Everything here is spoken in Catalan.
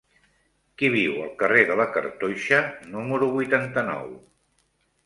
Qui viu al carrer de la Cartoixa número vuitanta-nou?